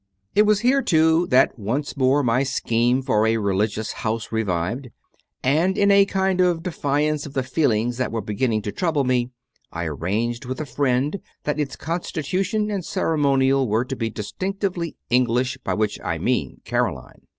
It was here, too, that once more my scheme for a Religious House revived; and, in a kind of defiance of the feelings that were beginning to trouble me, I arranged with a friend that its constitution and ceremonial were to be distinctively "English," by which I meant Caroline.